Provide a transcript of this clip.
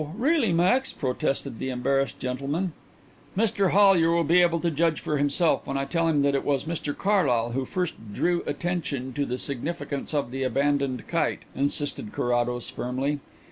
Really, Max!" protested the embarrassed gentleman. "Mr Hollyer will be able to judge for himself when I tell him that it was Mr Carlyle who first drew attention to the significance of the abandoned kite," insisted Carrados firmly.